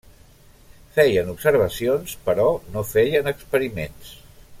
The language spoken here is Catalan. Feien observacions però no feien experiments.